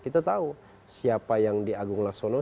kita tahu siapa yang di agung laksono